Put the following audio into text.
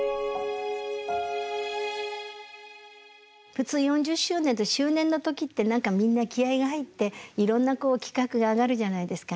普通４０周年って周年の時って何かみんな気合いが入っていろんなこう企画が上がるじゃないですか。